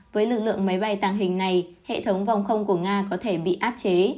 với lực lượng máy bay tàng hình này hệ thống vòng không của nga có thể bị áp chế